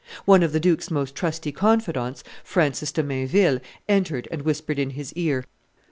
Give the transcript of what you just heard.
One of the duke's most trusty confidants, Francis de Mainville, entered and whispered in his ear.